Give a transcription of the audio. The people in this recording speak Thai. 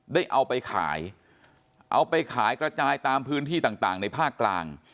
ได้เอาไปขายเอาไปขายกระจายตามพื้นที่ต่างในภาคกลาง